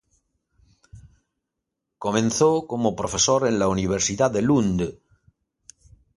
Comenzó como profesor en la Universidad de Lund.